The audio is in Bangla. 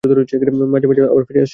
মাঝে মাঝে আবার ফিরে আসে।